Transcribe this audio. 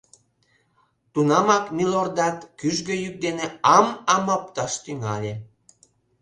Тунамак Милордат кӱжгӧ йӱк дене «ам-ам» опташ тӱҥале.